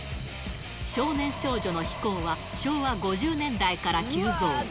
少年少女の非行は、昭和５０年代から急増。